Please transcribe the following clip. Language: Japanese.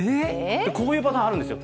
こういうパターンがあるんですよ。